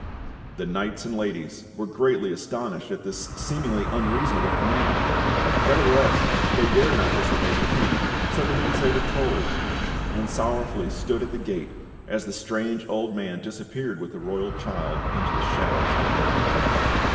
The knights and ladies were greatly astonished at this seemingly unreasonable command; nevertheless, they dared not disobey the King, so they did as they were told, and sorrowfully stood at the gate as the strange old man disappeared with the royal child into the shadows of the night.